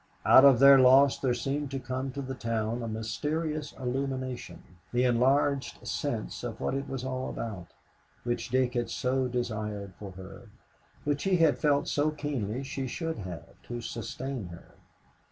Out of their loss there seemed to come to the town a mysterious illumination, the enlarged sense of what it was all about, which Dick had so desired for her, which he had felt so keenly she should have, to sustain her.